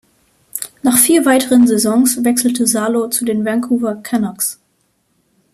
Nach vier weiteren Saisons wechselte Salo zu den Vancouver Canucks.